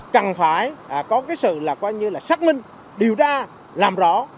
cần phải có cái sự là coi như là xác minh điều tra làm rõ